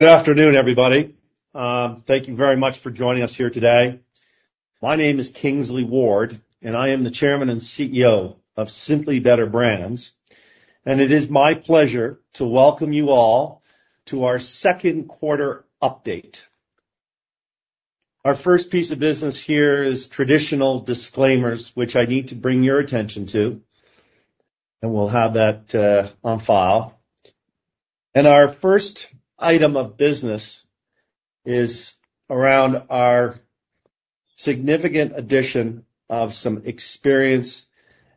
Good afternoon, everybody. Thank you very much for joining us here today. My name is Kingsley Ward, and I am the Chairman and CEO of Simply Better Brands, and it is my pleasure to welcome you all to our second quarter update. Our first piece of business here is traditional disclaimers, which I need to bring your attention to, and we'll have that on file. Our first item of business is around our significant addition of some experience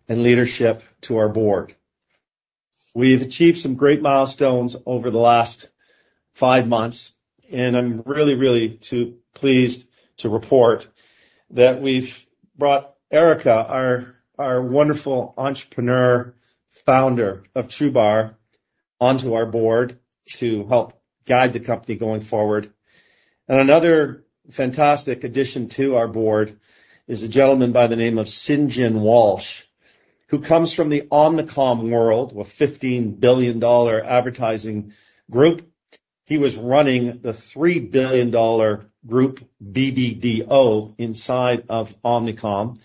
and leadership to our board. We've achieved some great milestones over the last five months, and I'm really, really too pleased to report that we've brought Erica, our wonderful entrepreneur, founder of TRUBAR, onto our board to help guide the company going forward. Another fantastic addition to our board is a gentleman by the name of St. John Walshe, who comes from the Omnicom world, a $15 billion advertising group. He was running the $3 billion group, BBDO, inside of Omnicom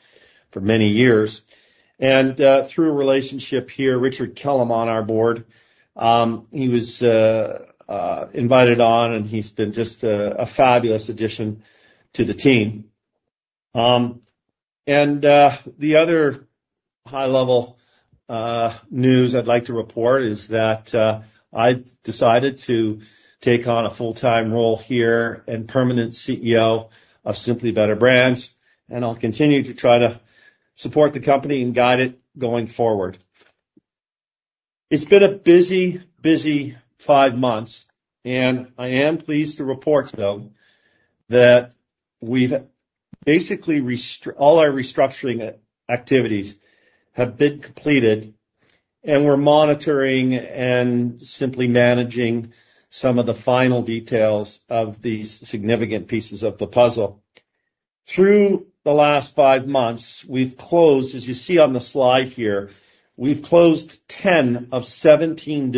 for many years. Through a relationship here, Richard Kellam, on our board, he was invited on, and he's been just a fabulous addition to the team. The other high-level news I'd like to report is that, I decided to take on a full-time role here and permanent CEO of Simply Better Brands, and I'll continue to try to support the company and guide it going forward. It's been a busy, busy five months, and I am pleased to report, though, that we've basically restructured. All our restructuring activities have been completed, and we're monitoring and simply managing some of the final details of these significant pieces of the puzzle. Through the last five months, we've closed, as you see on the slide here, we've closed 10 of 17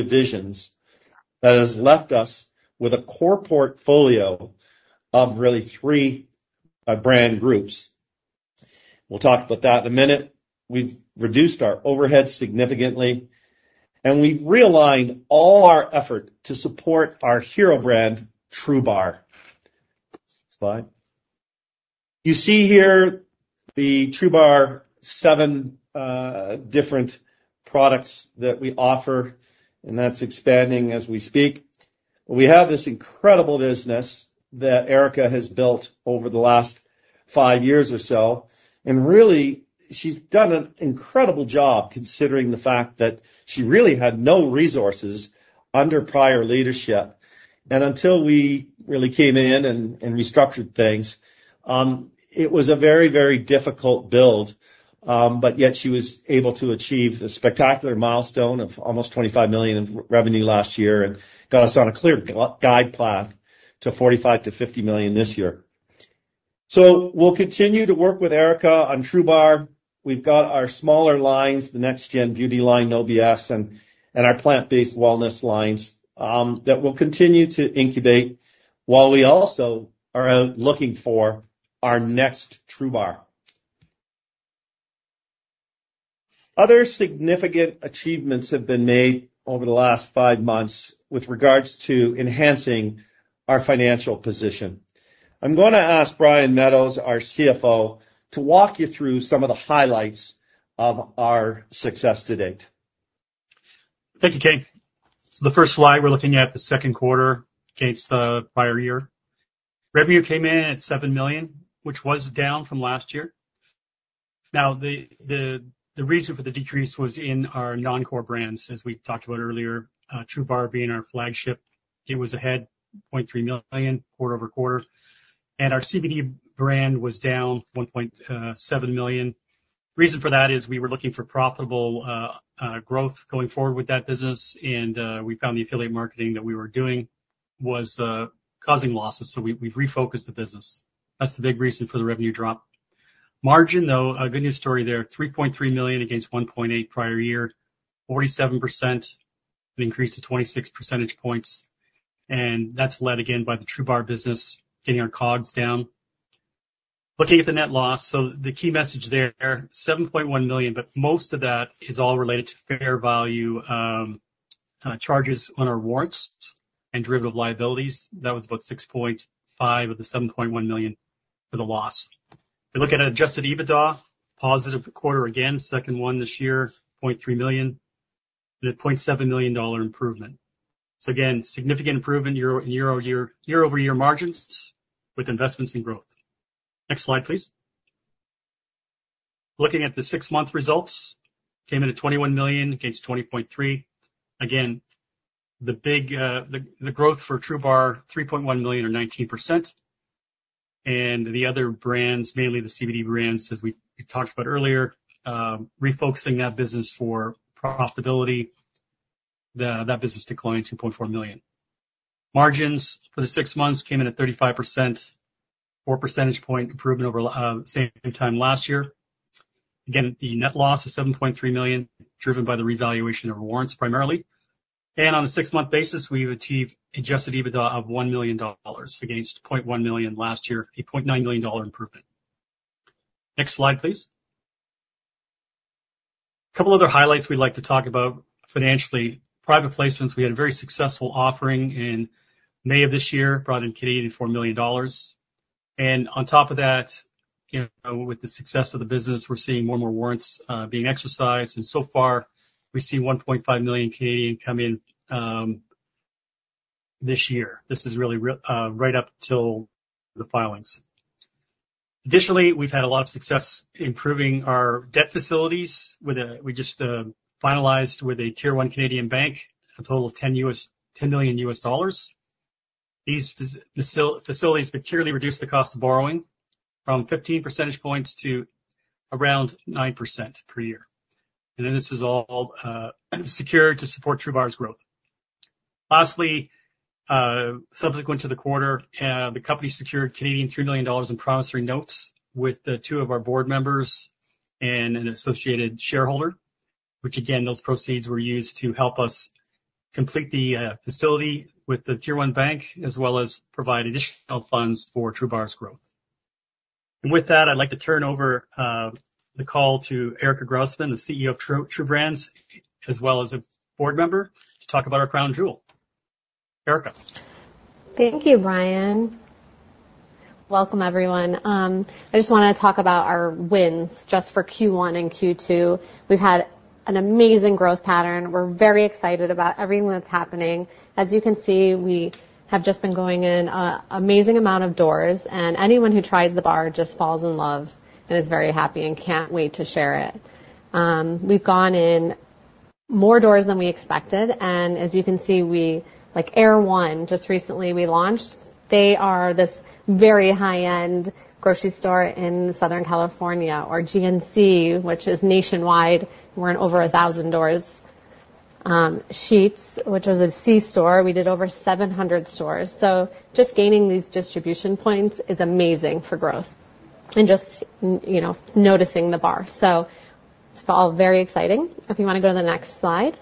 divisions. That has left us with a core portfolio of really three brand groups. We'll talk about that in a minute. We've reduced our overhead significantly, and we've realigned all our effort to support our hero brand, TRUBAR. Next slide. You see here the TRUBAR, seven different products that we offer, and that's expanding as we speak. We have this incredible business that Erica has built over the last five years or so, and really, she's done an incredible job considering the fact that she really had no resources under prior leadership. Until we really came in and restructured things, it was a very, very difficult build, but yet she was able to achieve the spectacular milestone of almost $25 million in revenue last year and got us on a clear guide path to $45 million-$50 million this year. So we'll continue to work with Erica on TRUBAR. We've got our smaller lines, the NextGen Beauty line, No BS, and our plant-based wellness lines that we'll continue to incubate while we also are out looking for our next TRUBAR. Other significant achievements have been made over the last five months with regards to enhancing our financial position. I'm gonna ask Brian Meadows, our CFO, to walk you through some of the highlights of our success to date. Thank you, King. So the first slide, we're looking at the second quarter against the prior year. Revenue came in at 7 million, which was down from last year. Now, the reason for the decrease was in our non-core brands, as we talked about earlier, TRUBAR being our flagship. It was ahead 0.3 million quarter-over-quarter, and our CBD brand was down 1.7 million. Reason for that is we were looking for profitable growth going forward with that business, and we found the affiliate marketing that we were doing was causing losses, so we've refocused the business. That's the big reason for the revenue drop. Margin, though, a good news story there, $3.3 million against $1.8 prior year, 47%, an increase to 26 percentage points, and that's led again by the TruBar business, getting our COGS down. Looking at the net loss, so the key message there, $7.1 million, but most of that is all related to fair value charges on our warrants and derivative liabilities. That was about $6.5 of the $7.1 million for the loss. You look at adjusted EBITDA, positive quarter again, second one this year, $0.3 million, and a $0.7 million dollar improvement. So again, significant improvement year-over-year, year-over-year margins with investments in growth. Next slide, please. Looking at the six-month results, came in at $21 million against $20.3. Again, the big growth for TRUBAR, 3.1 million or 19%, and the other brands, mainly the CBD brands, as we talked about earlier, refocusing that business for profitability, that business declining 2.4 million. Margins for the six months came in at 35%, four percentage point improvement over same time last year. Again, the net loss is 7.3 million, driven by the revaluation of our warrants primarily. And on a six-month basis, we've achieved Adjusted EBITDA of 1 million dollars against 0.1 million last year, a 0.9 million dollar improvement. Next slide, please. Couple other highlights we'd like to talk about financially. Private placements. We had a very successful offering in May of this year, brought in 4 million Canadian dollars. On top of that, you know, with the success of the business, we're seeing more and more warrants being exercised, and so far, we've seen 1.5 million come in this year. This is really right up till the filings. Additionally, we've had a lot of success improving our debt facilities. We just finalized with a Tier 1 Canadian bank a total of $10 million. These facilities materially reduced the cost of borrowing from 15 percentage points to around 9% per year. And then, this is all secure to support TRUBAR's growth. Lastly, subsequent to the quarter, the company secured 3 million Canadian dollars in promissory notes with, two of our board members and an associated shareholder, which again, those proceeds were used to help us complete the, facility with the Tier One bank, as well as provide additional funds for TRUBAR's growth. And with that, I'd like to turn over, the call to Erica Groussman, the CEO of TruBrands, as well as a board member, to talk about our crown jewel. Erica? Thank you, Brian. Welcome, everyone. I just wanna talk about our wins just for Q1 and Q2. We've had an amazing growth pattern. We're very excited about everything that's happening. As you can see, we have just been going in an amazing amount of doors, and anyone who tries the bar just falls in love and is very happy and can't wait to share it. We've gone in more doors than we expected, and as you can see, we... Like Erewhon, just recently, we launched. They are this very high-end grocery store in Southern California, or GNC, which is nationwide. We're in over 1,000 doors. Sheetz, which is a C-store, we did over 700 stores. So just gaining these distribution points is amazing for growth and just, you know, noticing the bar. So it's all very exciting. If you wanna go to the next slide.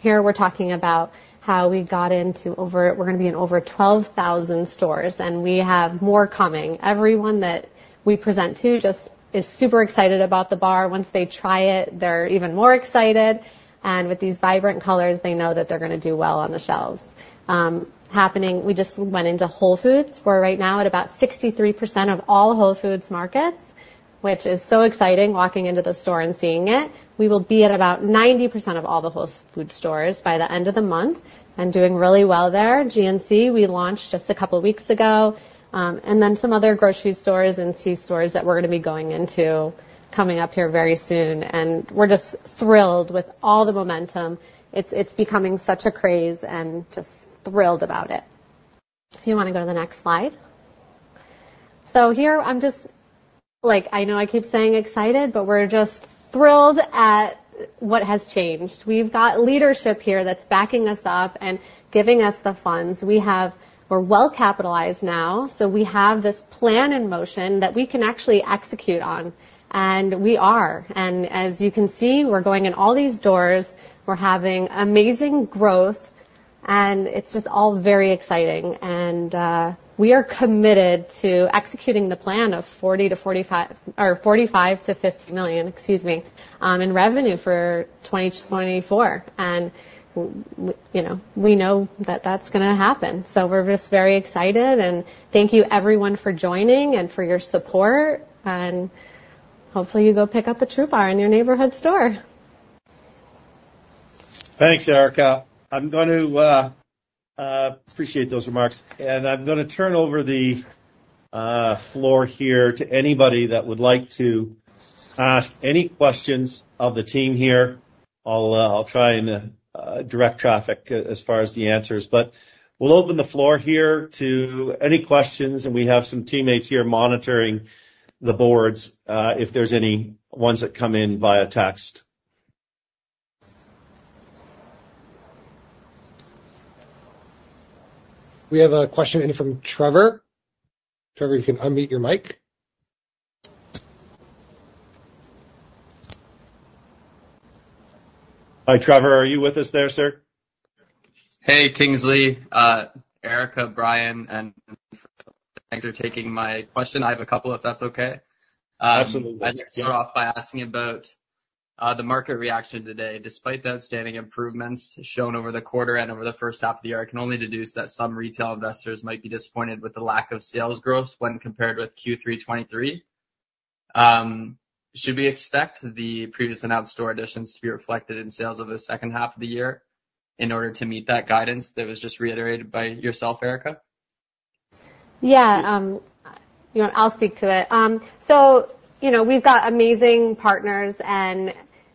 Here, we're talking about how we got into over... We're gonna be in over 12,000 stores, and we have more coming. Everyone that we present to just is super excited about the bar. Once they try it, they're even more excited, and with these vibrant colors, they know that they're gonna do well on the shelves. Happening, we just went into Whole Foods. We're right now at about 63% of all Whole Foods markets, which is so exciting, walking into the store and seeing it. We will be at about 90% of all the Whole Foods stores by the end of the month and doing really well there. GNC, we launched just a couple of weeks ago, and then some other grocery stores and C stores that we're gonna be going into, coming up here very soon, and we're just thrilled with all the momentum. It's becoming such a craze and just thrilled about it. If you wanna go to the next slide. So here, I'm just... Like, I know I keep saying excited, but we're just thrilled at what has changed. We've got leadership here that's backing us up and giving us the funds. We have. We're well-capitalized now, so we have this plan in motion that we can actually execute on, and we are. And as you can see, we're going in all these doors, we're having amazing growth, and it's just all very exciting. We are committed to executing the plan of $40 million-$45 million, or $45 million-$50 million, excuse me, in revenue for 2024. You know, we know that that's gonna happen. So we're just very excited, and thank you everyone for joining and for your support, and hopefully, you go pick up a TruBar in your neighborhood store. Thanks, Erica. I'm going to appreciate those remarks, and I'm gonna turn over the floor here to anybody that would like to ask any questions of the team here. I'll try and direct traffic as far as the answers, but we'll open the floor here to any questions, and we have some teammates here monitoring the boards, if there's any ones that come in via text. We have a question in from Trevor. Trevor, you can unmute your mic. Hi, Trevor. Are you with us there, sir? Hey, Kingsley, Erica, Brian, and thanks for taking my question. I have a couple, if that's okay. Absolutely. I'll just start off by asking about, the market reaction today. Despite the outstanding improvements shown over the quarter and over the first half of the year, I can only deduce that some retail investors might be disappointed with the lack of sales growth when compared with Q3 2023. Should we expect the previous announced store additions to be reflected in sales over the second half of the year in order to meet that guidance that was just reiterated by yourself, Erica? Yeah, you know, I'll speak to it. So, you know, we've got amazing partners, and,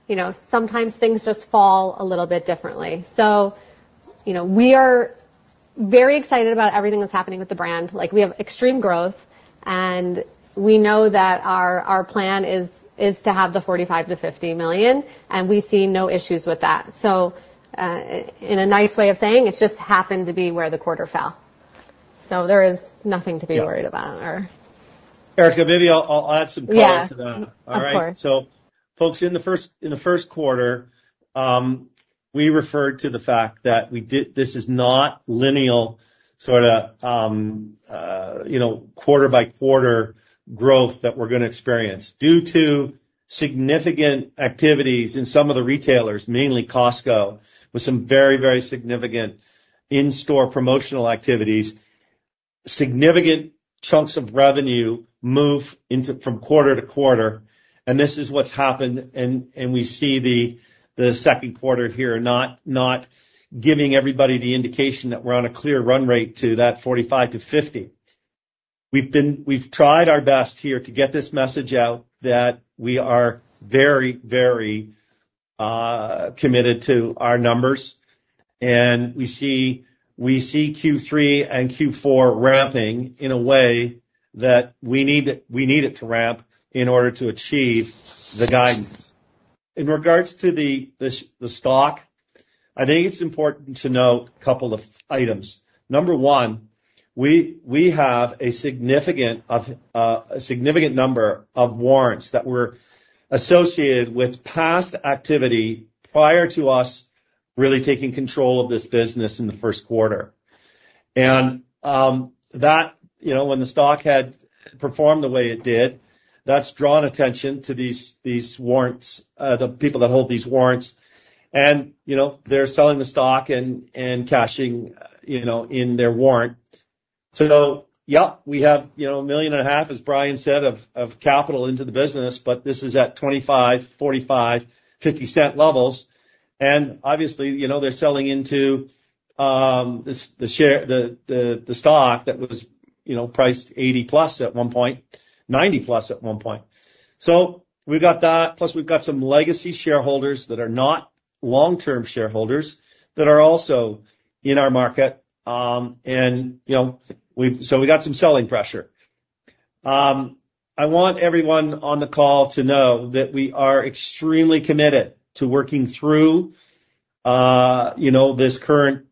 you know, sometimes things just fall a little bit differently. So, you know, we are very excited about everything that's happening with the brand. Like, we have extreme growth, and we know that our plan is to have the $45 million-$50 million, and we see no issues with that. So, in a nice way of saying, it just happened to be where the quarter fell. So there is nothing to be worried about or- Erica, maybe I'll add some color to that. Yeah. All right? Of course. So folks, in the first, in the first quarter, we referred to the fact that this is not linear, sorta, you know, quarter-by-quarter growth that we're gonna experience. Due to significant activities in some of the retailers, mainly Costco, with some very, very significant in-store promotional activities, significant chunks of revenue move into, from quarter to quarter, and this is what's happened, and, and we see the, the second quarter here, not, not giving everybody the indication that we're on a clear run rate to that 45-50. We've tried our best here to get this message out that we are very, very, committed to our numbers, and we see, we see Q3 and Q4 ramping in a way that we need it, we need it to ramp in order to achieve the guidance. In regards to the stock, I think it's important to note a couple of items. Number one, we have a significant number of warrants that were associated with past activity prior to us really taking control of this business in the first quarter. And, you know, when the stock had performed the way it did, that's drawn attention to these warrants, the people that hold these warrants, and, you know, they're selling the stock and cashing in their warrant. So yep, we have, you know, 1.5 million, as Brian said, of capital into the business, but this is at 0.25, 0.45, 0.50 levels, and obviously, you know, they're selling into the share, the stock that was, you know, priced 80+ at one point, 90+ at one point. So we've got that, plus we've got some legacy shareholders that are not long-term shareholders, that are also in our market, and, you know, we've got some selling pressure. I want everyone on the call to know that we are extremely committed to working through this current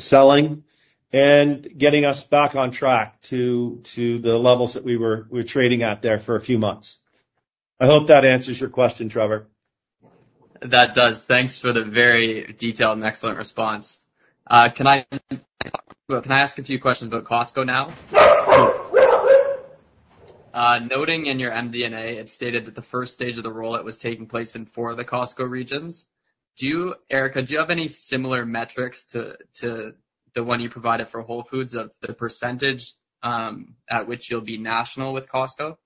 selling and getting us back on track to the levels that we were trading at there for a few months. I hope that answers your question, Trevor. That does. Thanks for the very detailed and excellent response. Can I, can I ask a few questions about Costco now? Noting in your MD&A, it stated that the first stage of the rollout was taking place in four of the Costco regions. Do you... Erica, do you have any similar metrics to, to the one you provided for Whole Foods, of the percentage at which you'll be national with Costco?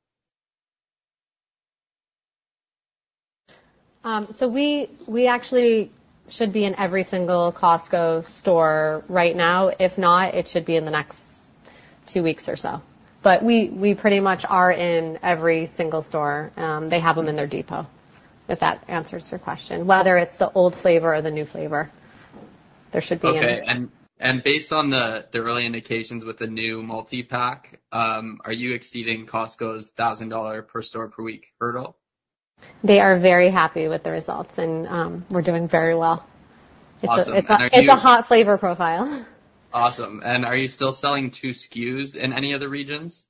So we actually should be in every single Costco store right now. If not, it should be in the next two weeks or so. But we pretty much are in every single store. They have them in their depot, if that answers your question, whether it's the old flavor or the new flavor, there should be in. Okay, and based on the early indications with the new multi-pack, are you exceeding Costco's $1,000 per store, per week hurdle? They are very happy with the results and, we're doing very well. Awesome, and are you- It's a hot flavor profile. Awesome. Are you still selling two SKUs in any of the regions?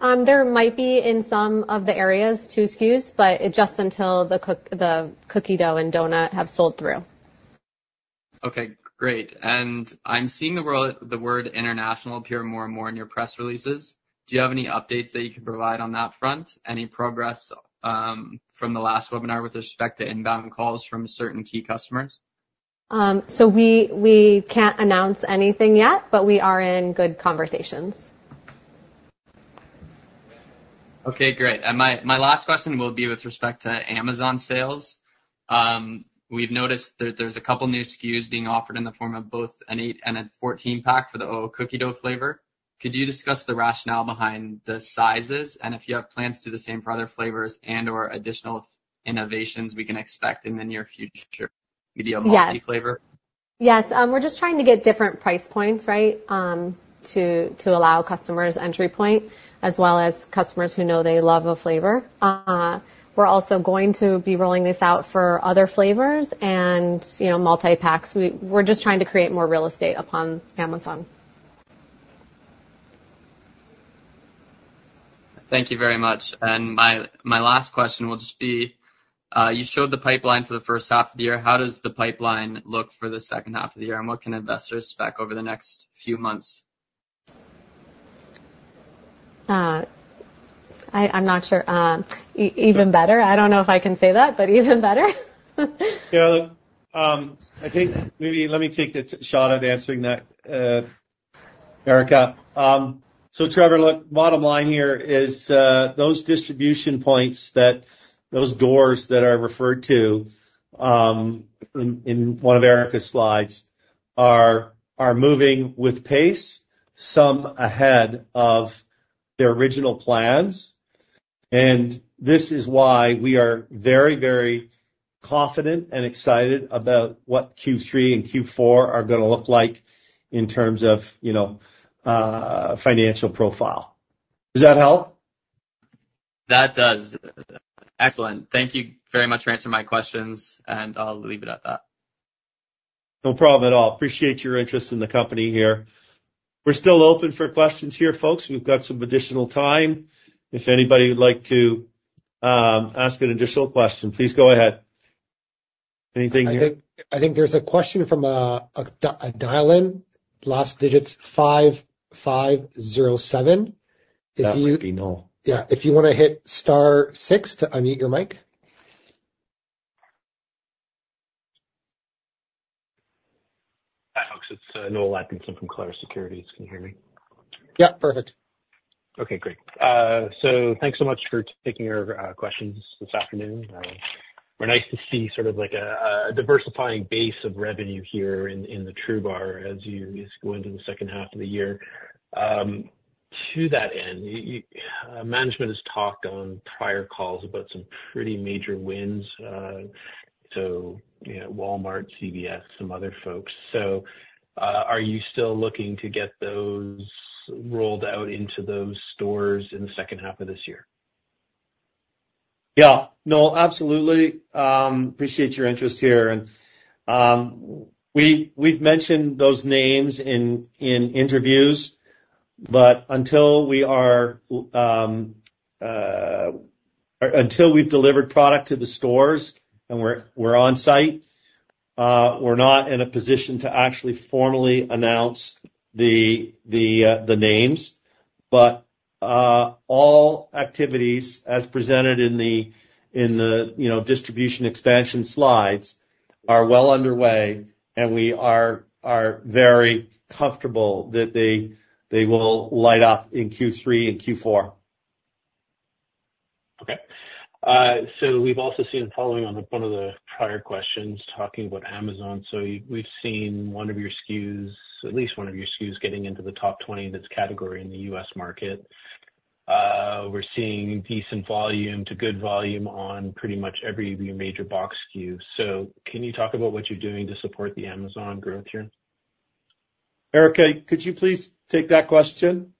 There might be in some of the areas, 2 SKUs, but just until the cookie dough and donut have sold through. Okay, great. I'm seeing the word international appear more and more in your press releases. Do you have any updates that you can provide on that front? Any progress from the last webinar with respect to inbound calls from certain key customers? We can't announce anything yet, but we are in good conversations. Okay, great. And my, my last question will be with respect to Amazon sales. We've noticed that there's a couple new SKUs being offered in the form of both an 8 and a 14-pack for the cookie dough flavor. Could you discuss the rationale behind the sizes, and if you have plans to do the same for other flavors and/or additional innovations we can expect in the near future? Maybe a multi-flavor. Yes. Yes, we're just trying to get different price points, right, to allow customers entry point, as well as customers who know they love a flavor. We're also going to be rolling this out for other flavors and, you know, multi-packs. We're just trying to create more real estate upon Amazon. Thank you very much. And my, my last question will just be, you showed the pipeline for the first half of the year. How does the pipeline look for the second half of the year, and what can investors expect over the next few months? I'm not sure. Even better. I don't know if I can say that, but even better. Yeah, I think maybe let me take a shot at answering that, Erica. So Trevor, look, bottom line here is, those distribution points that, those doors that I referred to, in one of Erica's slides, are moving with pace, some ahead of their original plans. And this is why we are very, very confident and excited about what Q3 and Q4 are gonna look like in terms of, you know, financial profile. Does that help? That does. Excellent. Thank you very much for answering my questions, and I'll leave it at that. No problem at all. Appreciate your interest in the company here. We're still open for questions here, folks. We've got some additional time. If anybody would like to ask an additional question, please go ahead. Anything here? I think there's a question from a dial-in, last digits 5507. If you- That might be Noel. Yeah. If you wanna hit star six to unmute your mic. Hi, folks. It's, Noel Atkinson from Clarus Securities. Can you hear me? Yeah, perfect. Okay, great. So thanks so much for taking our questions this afternoon. It's nice to see sort of like a diversifying base of revenue here in the TRUBAR as you just go into the second half of the year. To that end, management has talked on prior calls about some pretty major wins. So, you know, Walmart, CVS, some other folks. So, are you still looking to get those rolled out into those stores in the second half of this year? Yeah. No, absolutely. Appreciate your interest here. And we've mentioned those names in interviews, but until we've delivered product to the stores and we're on site, we're not in a position to actually formally announce the names. But all activities as presented in the distribution expansion slides are well underway, and we are very comfortable that they will light up in Q3 and Q4. Okay. So we've also seen, following on up one of the prior questions, talking about Amazon. So we've seen one of your SKUs, at least one of your SKUs, getting into the top 20 in this category in the U.S. market. We're seeing decent volume to good volume on pretty much every of your major box SKU. So can you talk about what you're doing to support the Amazon growth here? Erica, could you please take that question?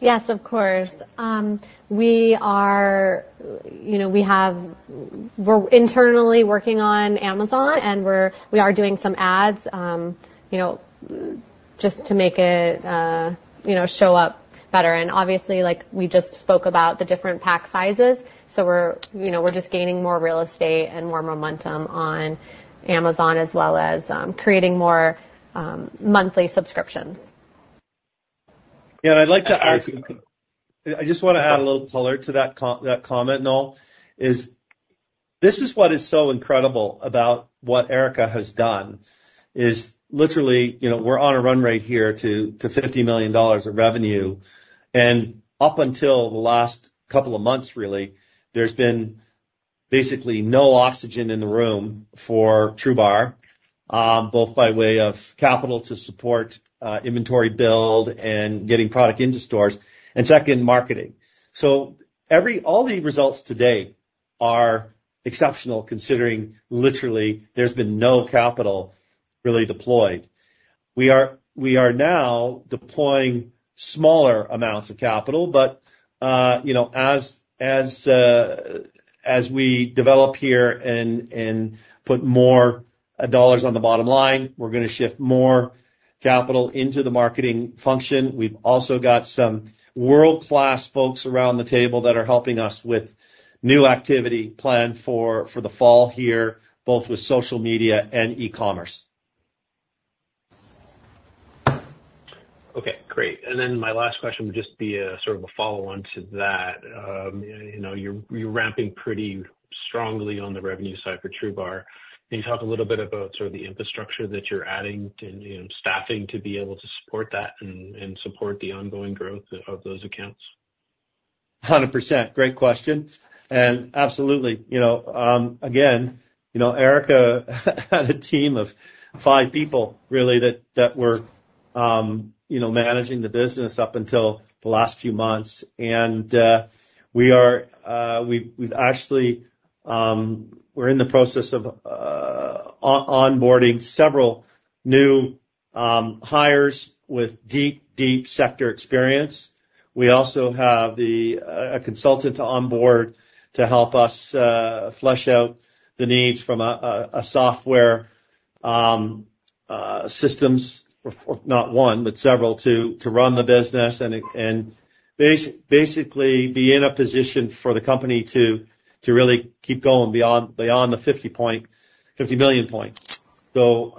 Yes, of course. We are, you know, we're internally working on Amazon, and we're doing some ads, you know, just to make it, you know, show up better. And obviously, like, we just spoke about the different pack sizes. So we're, you know, we're just gaining more real estate and more momentum on Amazon as well as creating more monthly subscriptions. Yeah, and I'd like to add... I just wanna add a little color to that comment, Noel. Is this what is so incredible about what Erica has done: literally, you know, we're on a run rate here to $50 million of revenue. And up until the last couple of months, really, there's been basically no oxygen in the room for TRUBAR, both by way of capital to support inventory build and getting product into stores, and second, marketing. So all the results today are exceptional, considering literally there's been no capital really deployed. We are now deploying smaller amounts of capital, but, you know, as we develop here and put more dollars on the bottom line, we're gonna shift more capital into the marketing function. We've also got some world-class folks around the table that are helping us with new activity planned for the fall here, both with social media and e-commerce. Okay, great. And then my last question would just be a sort of a follow-on to that. You know, you're ramping pretty strongly on the revenue side for TRUBAR. Can you talk a little bit about sort of the infrastructure that you're adding and, you know, staffing to be able to support that and support the ongoing growth of those accounts? 100%. Great question, and absolutely. You know, again, you know, Erica had a team of 5 people, really, that were, you know, managing the business up until the last few months. And we are, we've actually, we're in the process of onboarding several new hires with deep sector experience. We also have a consultant to onboard to help us flesh out the needs from a software systems for not one, but several, to run the business and basically be in a position for the company to really keep going beyond the 50.50 million points. So,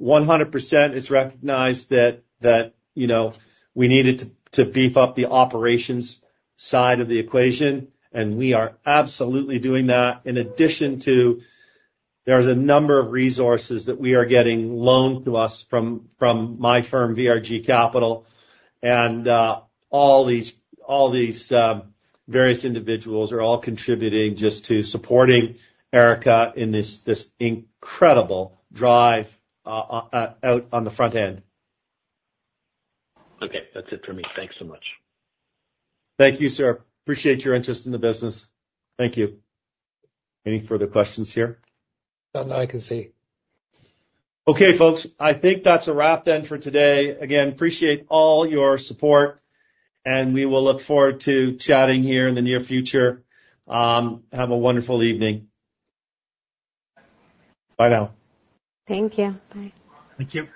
100% it's recognized that, you know, we needed to beef up the operations side of the equation, and we are absolutely doing that. In addition to, there's a number of resources that we are getting loaned to us from my firm, VRG Capital, and all these various individuals are all contributing just to supporting Erica in this incredible drive out on the front end. Okay. That's it for me. Thanks so much. Thank you, sir. Appreciate your interest in the business. Thank you. Any further questions here? Not that I can see. Okay, folks. I think that's a wrap then for today. Again, appreciate all your support, and we will look forward to chatting here in the near future. Have a wonderful evening. Bye now. Thank you. Bye. Thank you.